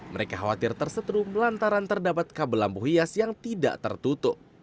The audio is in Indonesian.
mereka khawatir tersetrum lantaran terdapat kabel lampu hias yang tidak tertutup